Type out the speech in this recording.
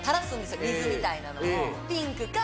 水みたいなのを。